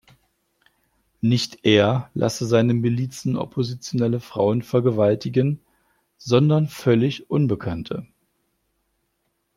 Nicht er lasse seine Milizen oppositionelle Frauen vergewaltigen, sondern völlig Unbekannte.